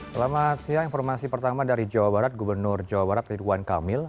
selamat siang informasi pertama dari jawa barat gubernur jawa barat ridwan kamil